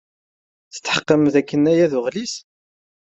Tetḥeqqem dakken aya d uɣlis?